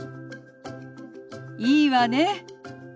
いいわね。